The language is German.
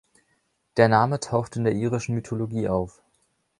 Der Name taucht in der irischen Mythologie auf.